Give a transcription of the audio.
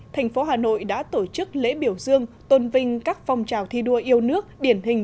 thành phố hà nội đã tổ chức lễ biểu dương tôn vinh các phong trào thi đua yêu nước điển hình